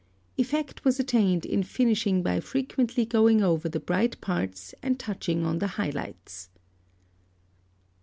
Effect was attained in finishing by frequently going over the bright parts and touching on the high lights.